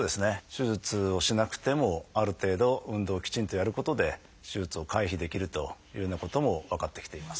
手術をしなくてもある程度運動をきちんとやることで手術を回避できるというようなことも分かってきています。